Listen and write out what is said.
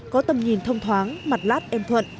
có tầm nhìn thông thoáng mặt lát em thuận